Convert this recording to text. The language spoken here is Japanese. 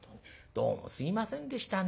どうもすいませんでしたね。